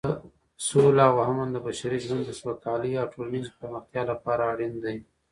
سوله او امن د بشري ژوند د سوکالۍ او ټولنیزې پرمختیا لپاره اړین دي.